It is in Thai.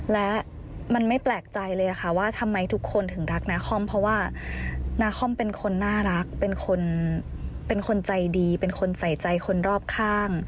และมันไม่แปลกใจเลยค่ะว่าทำไมทุกคนถึงรักนาคอมเพราะว่านาคอมเป็นคนน่ารักเป็นคนเป็นคนใจดีเป็นคนใส่ใจคนรอบข้าง